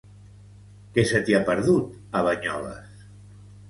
Què se t'hi ha perdut, a Banyoles?